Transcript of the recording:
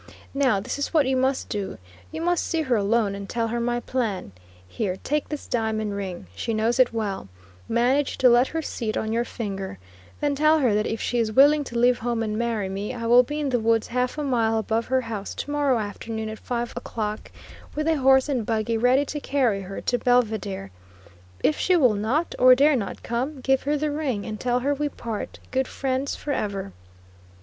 Now, this is what you must do; you must see her alone and tell her my plan; here, take this diamond ring; she knows it well; manage to let her see it on your finger; then tell her that if she is willing to leave home and marry me, I will be in the woods half a mile above her house to morrow afternoon at 5 o'clock, with a horse and buggy ready to carry her to Belvidere. If she will not, or dare not come, give her the ring, and tell her we part, good friends, forever."